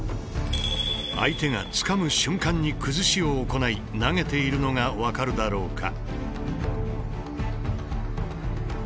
相手がつかむ瞬間に崩しを行い投げているのが分かるだろうか。